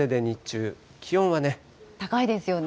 高いですよね。